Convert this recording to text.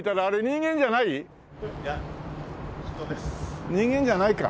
人間じゃないか。